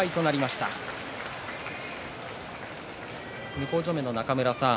向正面の中村さん